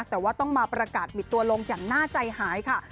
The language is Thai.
แต่ว่าต้องมาประกาศบิดตัวลงอย่างน่าใจหายค่ะ